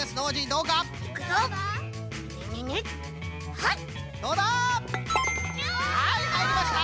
はいはいりました！